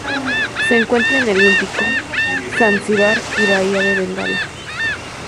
Se encuentra en el Índico: Zanzíbar y Bahía de Bengala.